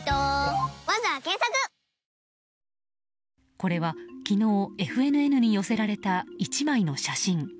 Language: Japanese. これは昨日ＦＮＮに寄せられた１枚の写真。